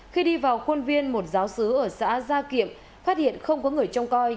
khi đi vào khuôn viên một giáo sứ ở xã gia kiệm phát hiện không có người trông coi